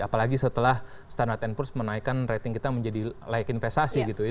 apalagi setelah standar and purs menaikkan rating kita menjadi layak investasi gitu ya